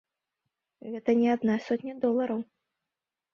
Гэта не адна сотня долараў.